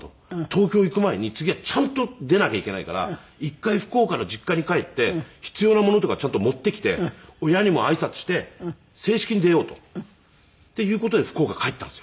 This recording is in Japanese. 東京行く前に次はちゃんと出なきゃいけないから一回福岡の実家に帰って必要なものとかちゃんと持ってきて親にも挨拶して正式に出ようと。っていう事で福岡帰ったんですよ